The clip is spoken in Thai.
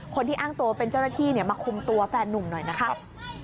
คนที่อ้างตัวเป็นเจ้าหน้าที่มาคุมตัวแฟนนุ่มหน่อยนะครับ